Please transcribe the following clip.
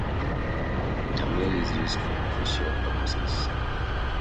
Tamil is used for official purposes.